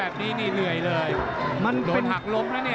อันนี้นี่เหนื่อยเลยโหลดหักหลบนะเนี่ย